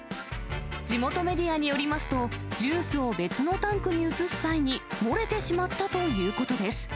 地元メディアによりますと、ジュースを別のタンクに移す際に、漏れてしまったということです。